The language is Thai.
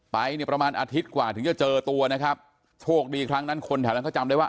ไปเนี่ยประมาณอาทิตย์กว่าถึงจะเจอตัวนะครับโชคดีครั้งนั้นคนแถวนั้นเขาจำได้ว่า